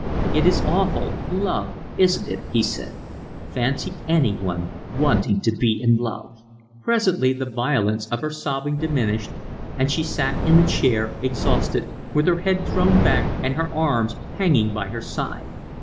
"It is awful, love, isn't it?" he said. "Fancy anyone wanting to be in love." Presently the violence of her sobbing diminished and she sat in the chair, exhausted, with her head thrown back and her arms hanging by her side.